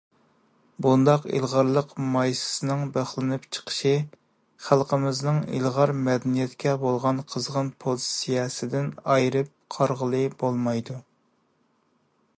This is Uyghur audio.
بۇنداق ئىلغارلىق مايسىسىنىڭ بىخلىنىپ چىقىشى خەلقىمىزنىڭ ئىلغار مەدەنىيەتكە بولغان قىزغىن پوزىتسىيەسىدىن ئايرىپ قارىغىلى بولمايدۇ.